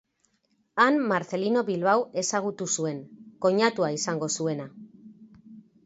Han Marcelino Bilbao ezagutu zuen, koinatua izango zuena.